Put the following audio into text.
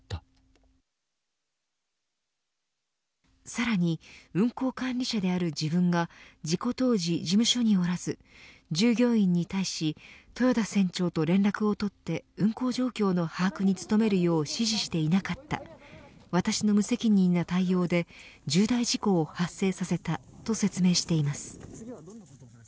さらに運航管理者である自分が事故当時事務所におらず従業員に対し豊田船長と連絡を取って運航状況の把握に努めるよう指示していなかった私の無責任な対応で重大事故を発生させたと説明しています。